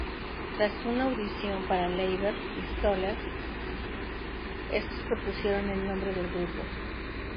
Tras una audición para Leiber y Stoller, estos propusieron el nombre del grupo.